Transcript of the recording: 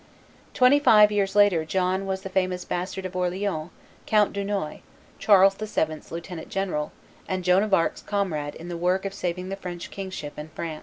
Twenty five years later John was the famous Bastard of Orleans, Count Dunois, Charles VII.'s lieutenant general, and Joan of Arc's comrade in the work of saving the French kingship and France.